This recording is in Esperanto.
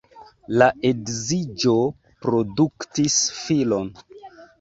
La edziĝo produktis filon.